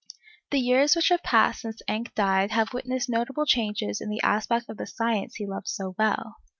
_ The years which have passed since Encke died have witnessed notable changes in the aspect of the science he loved so well.